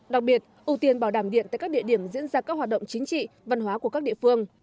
đặc biệt ưu tiên bảo đảm điện tại các địa điểm diễn ra các hoạt động chính trị văn hóa của các địa phương